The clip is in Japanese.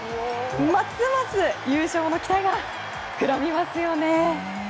ますます優勝の期待が膨らみますよね。